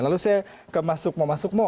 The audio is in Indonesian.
lalu saya masuk mau masuk mau